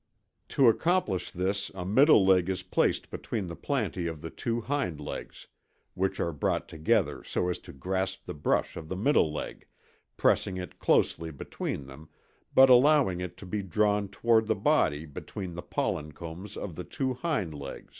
To accomplish this a middle leg is placed between the plantæ of the two hind legs, which are brought together so as to grasp the brush of the middle leg, pressing it closely between them, but allowing it to be drawn toward the body between the pollen combs of the two hind legs.